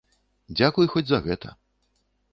Дзякуй хоць за гэта.